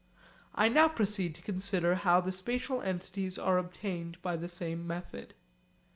I now proceed to consider how the spatial entities are obtained by the same method.